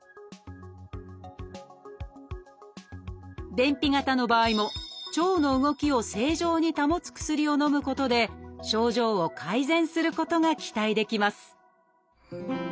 便秘型の場合も腸の動きを正常に保つ薬をのむことで症状を改善することが期待できます